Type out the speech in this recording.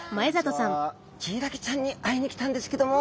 ヒイラギちゃんに会いに来たんですけども。